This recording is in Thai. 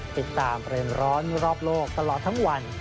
ติดตามประเด็นร้อนรอบโลกตลอดทั้งวัน